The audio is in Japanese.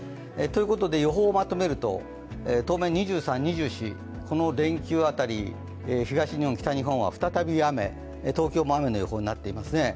予報をまとめると、当面、２３、２４、この連休あたり、東日本、北日本は再び雨、東京も雨の予報になっていますね。